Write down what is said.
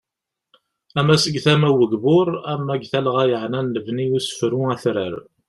Ama seg tama n ugbur, ama deg talɣa yaɛnan lebni usefru atrar.